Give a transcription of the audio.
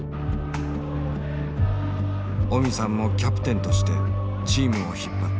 オミさんもキャプテンとしてチームを引っ張った。